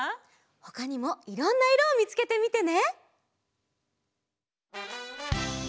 ほかにもいろんないろをみつけてみてね！